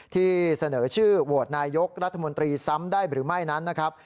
ที่เสนอชื่อโหวตนายกรัฐมนตรีซ้ำได้หรือไม่นั้นนะครับ